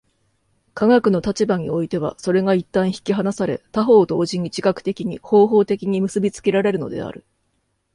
科学の立場においてはそれが一旦引き離され、他方同時に自覚的に、方法的に結び付けられるのである。